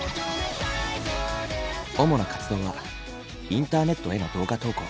主な活動はインターネットへの動画投稿。